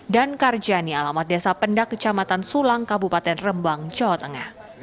dan karjani alamat desa pendak kecamatan sulang kabupaten rembang jawa tengah